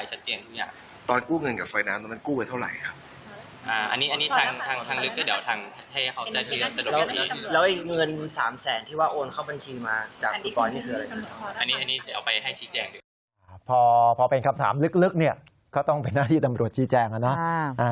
ส่วนคำถามลึกก็ต้องเป็นหน้าที่ตำรวจจี้แจงแล้วนะ